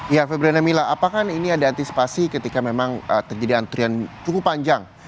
ya febriana mila apakah ini ada antisipasi ketika memang terjadi antrian cukup panjang